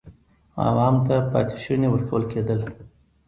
عوام ته پاتې شوني ورکول کېدل.